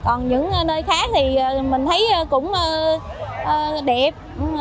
còn những nơi khác thì mình thấy cũng đẹp